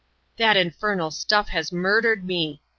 " That infernal stuff has murdered me